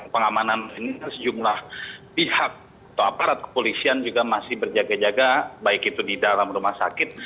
pengamanan ini sejumlah pihak atau aparat kepolisian juga masih berjaga jaga baik itu di dalam rumah sakit